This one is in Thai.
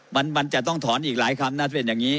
มันจะต้องถอนอีกหลายคำน่าจะเป็นอย่างนี้